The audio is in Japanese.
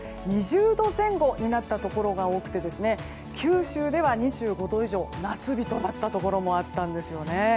２０度前後になったところが多くて九州では２５度以上夏日となったところもあったんですよね。